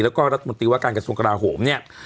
แล้วก็รัฐมนตรีว่าการกระทรวงกราโหมเนี่ย